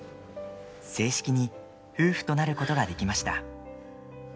正式に夫婦となることができました。